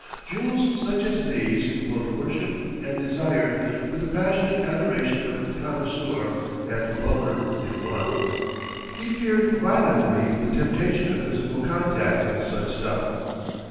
Jewels such as these he both worshipped and desired with the passionate adoration of connoisseur and lover in one. He feared violently the temptation of physical contact with such stuff.